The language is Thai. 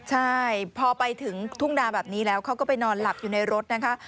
ใช่พอไปถึงทุ่งนาแบบนี้แล้วเขาก็ไปนอนหลับอยู่ในรถนะคะ